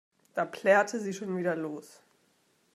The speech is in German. Da plärrte sie schon wieder los.